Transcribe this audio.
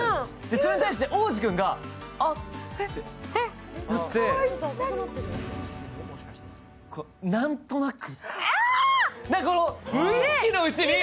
それに対して逢司君があっって言って、「なんとなく」。